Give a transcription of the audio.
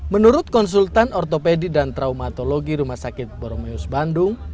menurut konsultan ortopedi dan traumatologi rumah sakit boromeus bandung